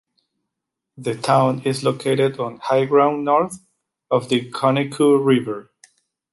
The town is located on high ground north of the Conecuh River.